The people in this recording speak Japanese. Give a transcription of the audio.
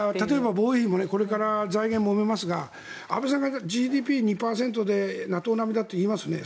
防衛費もこれから財源、もめますが安倍さんがＧＤＰ２％でＮＡＴＯ並みだといいますね。